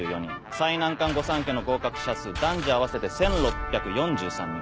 最難関御三家の合格者数男女合わせて１６４３人。